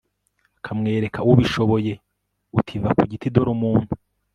akamwereka ubishoboye, uti «va ku giti dore umuntu»